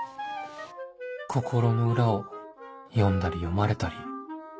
心の裏を読んだり読まれたり